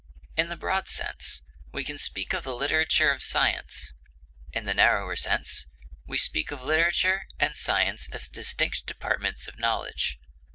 In the broad sense, we can speak of the literature of science; in the narrower sense, we speak of literature and science as distinct departments of knowledge.